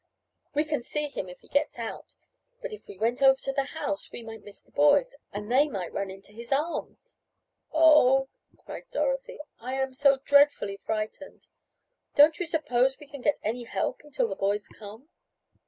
We can see him if he gets out, but if we went over to the house we might miss the boys, and they might run right into his arms." "Oh," cried Dorothy. "I am so dreadfully frightened. Don't you suppose we can get any help until the boys come?"